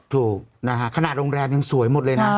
ถูกขนาดโรงแล็มยังสวยหมดเลยนะ